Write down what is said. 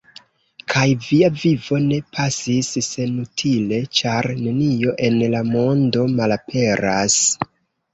Kaj via vivo ne pasis senutile, ĉar nenio en la mondo malaperas.